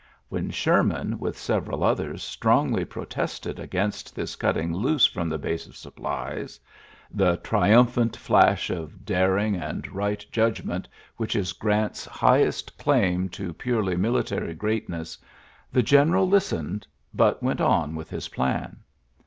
"When Sherman with several others strongly protested against this cutting loose from the base of supplies — the triumphant flash of daring and right 76 ULYSSES S. GEANT judgment whicli is Grant's highest claim to purely military greatness — the gen eral listened^ but went on with his plan.